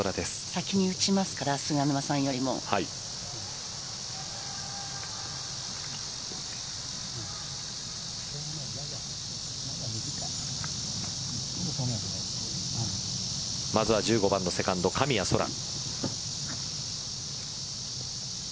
先に打ちますから菅沼さんよりも。まずは１５番のセカンド神谷そら。